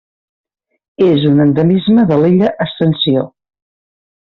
És un endemisme de l'Illa Ascensió.